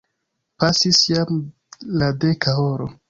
Pasis jam la deka horo.